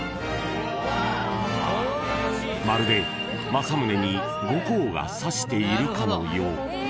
［まるで政宗に後光が差しているかのよう］